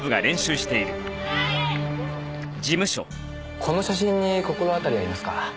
この写真に心当たりありますか？